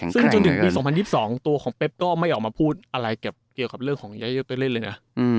ซึ่งจนถึงปี๒๐๒๒ตัวของเป๊บก็ไม่ออกมาพูดอะไรเกี่ยวกับเรื่องของยาเยอะไปเล่นเลยนะ